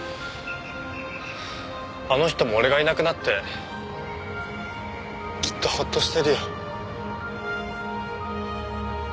あの人も俺がいなくなってきっとホッとしてるよ。